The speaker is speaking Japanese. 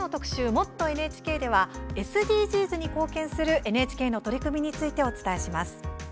「もっとＮＨＫ」ではＳＤＧｓに貢献するＮＨＫの取り組みについてお伝えします。